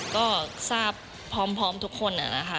ก็ทราบพร้อมทุกคนนะคะ